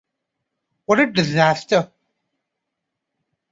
What a disaster!